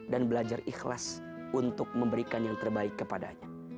dan belajar ikhlas untuk memberikan yang terbaik kepadanya